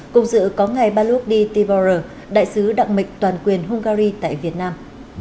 cùng dự có ngày baluk d tibor đại sứ đặng mệnh toàn quyền hungary tại việt nam